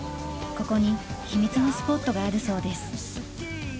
ここに秘密のスポットがあるそうです。